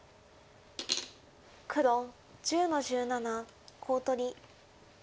黒１０の十七コウ取り。